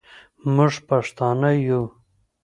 موږ پښتانه یو